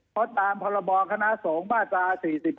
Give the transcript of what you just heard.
เพราะตามพรบคณะสงฆ์มาตรา๔๔